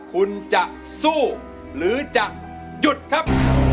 คุณจะสู้หรือจะหยุดครับ